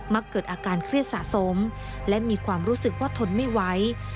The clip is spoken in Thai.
ักเกิดอาการเครียดสะสมและมีความรู้สึกว่าทนไม่ไหว